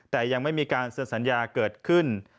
แต่ยังไม่มีการเซ็นสัญญาเกิดขึ้น